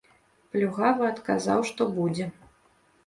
Плюгавы адказаў, што будзе.